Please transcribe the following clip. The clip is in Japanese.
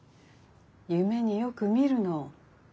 夢によく見るの。